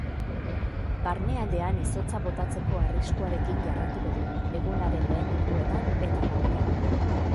Barnealdean izotza botatzeko arriskuarekin jarraituko du, egunaren lehen orduetan eta gauean.